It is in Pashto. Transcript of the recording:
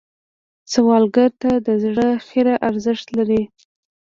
سوالګر ته د زړه خیر ارزښت لري